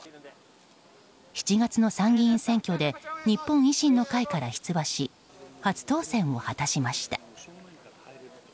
７月の参議院選挙で日本維新の会から出馬し初当選を果たしました。